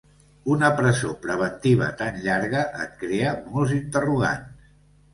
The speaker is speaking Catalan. Una presó preventiva tan llarga et crea molts interrogants.